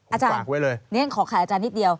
อาจารย์ขอขายอาจารย์นิดเดียว